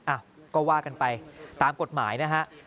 อ้าวก็ว่ากันไปตามกฎหมายนะฮะ